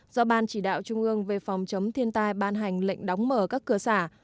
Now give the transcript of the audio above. do ban chỉ đạo trung ương về phòng chấm thiên tai ban hành lệnh đóng mở các cơ sả